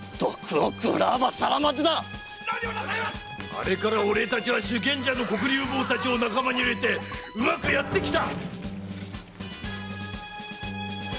あれから俺たちは修験者の黒竜坊たちを仲間に入れてうまくやってきた！